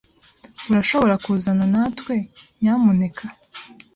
Urashobora kuzana natwe, nyamuneka?